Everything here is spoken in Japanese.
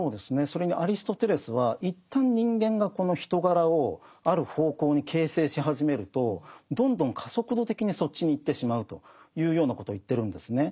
それにアリストテレスは一旦人間がこの人柄をある方向に形成し始めるとどんどん加速度的にそっちに行ってしまうというようなことを言ってるんですね。